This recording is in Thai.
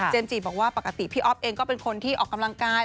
จีบอกว่าปกติพี่อ๊อฟเองก็เป็นคนที่ออกกำลังกาย